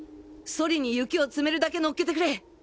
ソリに雪を積めるだけのっけてくれ。